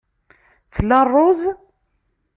Tla ṛṛuz?